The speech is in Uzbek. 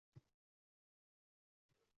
Shohlar aro